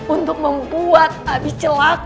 untuk membuat abi celaka